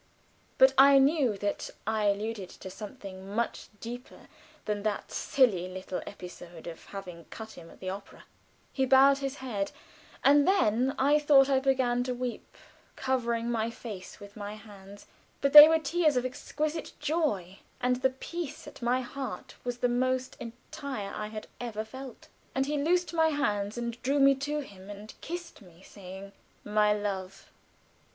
But I knew that I alluded to something much deeper than that silly little episode of having cut him at the theater. He bowed his head; and then I thought I began to weep, covering my face with my hands; but they were tears of exquisite joy, and the peace at my heart was the most entire I had ever felt. And he loosened my hands, and drew me to him and kissed me, saying "My love!"